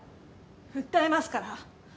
訴えますから。